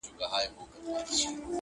هغه چي ګرځی سوداګر دی په ونه غولیږی،